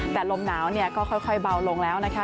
แต่ลมหนาวเนี่ยก็ค่อยเบาลงแล้วนะคะ